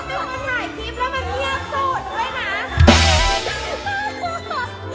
เห็นแม่สายเว้ยเดี๋ยวกินไก่